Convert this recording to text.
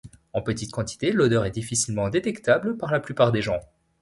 En petite quantité, l'odeur est difficilement détectable par la plupart des gens.